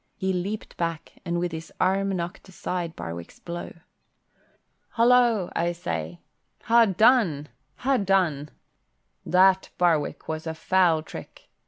He leaped back and with his arm knocked aside Barwick's blow. "Holla, I say! Ha' done, ha' done! That, Barwick, was a foul trick.